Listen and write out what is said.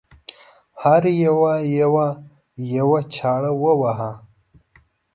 هر یوه یوه یوه چاړه وواهه.